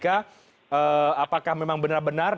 apakah memang benar benar